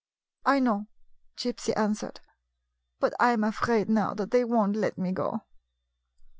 "I know," Gypsy answered, "but I am afraid now that they won't let me go."